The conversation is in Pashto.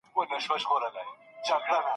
څېړونکی باید د خلګو له خبرو اغېزمن نه سي.